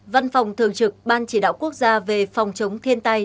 văn phòng thường trực ban chỉ đạo quốc gia về phòng chống thiên tai